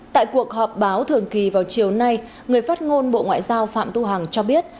tại cuộc họp báo thường kỳ vào chiều nay người phát ngôn bộ ngoại giao phạm tu hằng cho biết